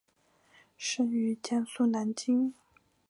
生于江苏南京。